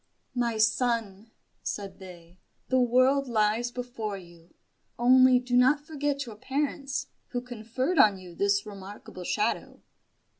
"My son," said they, "the world lies before you. Only do not forget your parents, who conferred on you this remarkable shadow."